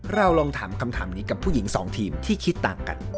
เราลองถามคำถามนี้กับผู้หญิงสองทีมที่คิดต่างกัน